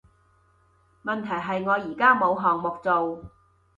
問題係我而家冇項目做